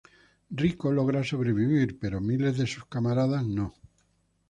Rico logra sobrevivir pero miles de sus camaradas no.